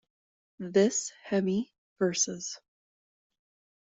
This Hemi "vs".